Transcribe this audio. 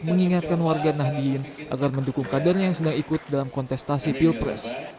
mengingatkan warga nahdien agar mendukung kadernya yang sedang ikut dalam kontestasi pilpres